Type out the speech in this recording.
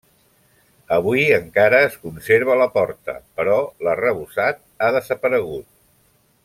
Avui encara es conserva la porta, però l'arrebossat ha desaparegut.